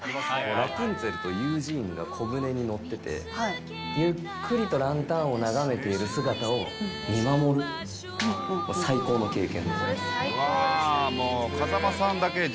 ラプンツェルとユージーンが小舟に乗っててゆっくりとランタンを眺めている姿を見守る、もう最高の経験。